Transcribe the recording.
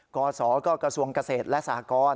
กศก็กระทรวงเกษตรและสหกร